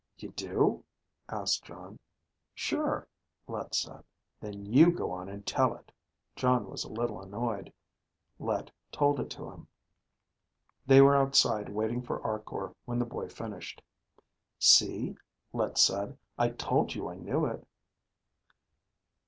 "You do?" asked Jon. "Sure," Let said. "Then you go on and tell it." Jon was a little annoyed. Let told it to him. They were outside waiting for Arkor when the boy finished. "See," Let said. "I told you I knew it."